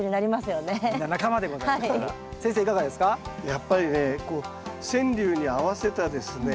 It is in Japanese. やっぱりねこう川柳に合わせたですね